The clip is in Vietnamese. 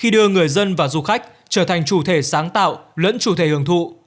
của người dân và du khách trở thành chủ thể sáng tạo lẫn chủ thể hưởng thụ